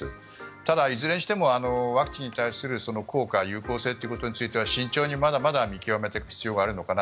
ただいずれにしてもワクチンに対する効果有効性ということについてはまだまだ慎重に見極めていく必要があるのかな。